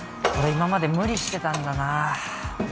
今まで無理してたんだなあ